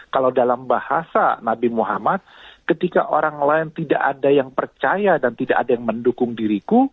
kalau dalam bahasa nabi muhammad ketika orang lain tidak ada yang percaya dan tidak ada yang mendukung diriku